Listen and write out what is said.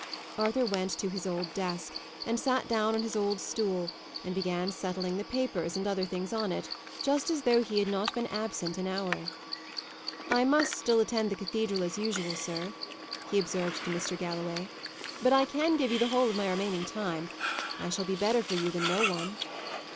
Arthur went to his old desk, and sat down on his old stool, and began settling the papers and other things on it, just as though he had not been absent an hour. "I must still attend the cathedral as usual, sir," he observed to Mr. Galloway; "but I can give you the whole of my remaining time. I shall be better for you than no one."